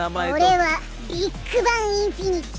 俺はビッグバン・インフィニティー。